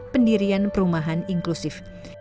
pendirian perumahan inklusif